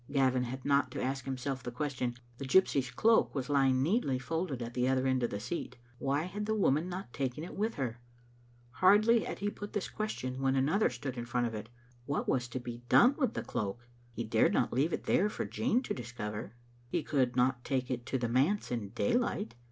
Gavin had not to ask himself the question. The gypsy's cloak was lying neatly folded at the other end of the seat. Why had the woman not taken it with her? Hardly had he put this question when another stood in front of it. What was to be done with the cloak? He dared not leave it there for Jean to discover. He could not take it into the manse in daylight.